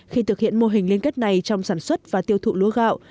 khi thực hiện mô hình liên kết này trong sản xuất và tiêu thụ lúa gạo